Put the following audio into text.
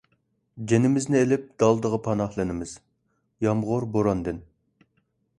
جېنىمىزنى ئېلىپ دالدىغا، پاناھلىنىمىز يامغۇر، بوراندىن.